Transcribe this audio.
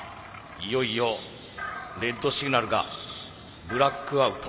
いよいよレッドシグナルがブラックアウト。